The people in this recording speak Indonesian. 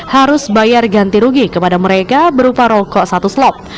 harus bayar ganti rugi kepada mereka berupa rokok satu slop